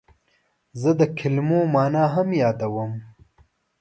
زه د کلمو مانا هم یادوم.